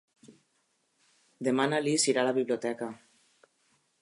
Demà na Lis irà a la biblioteca.